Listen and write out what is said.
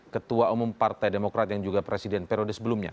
ketua umum partai demokrat yang juga presiden periode sebelumnya